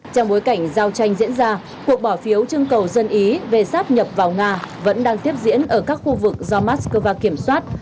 trong bối cảnh giao tranh diễn ra cuộc bỏ phiếu trưng cầu dân ý về sắp nhập vào nga vẫn đang tiếp diễn ở các khu vực do moscow kiểm soát